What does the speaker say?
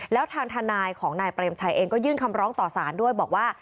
แล้วทางทนายของนายเปรมชัยเองก็ยื่นคำร้องต่อสารด้วยบอกว่า